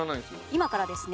今からですね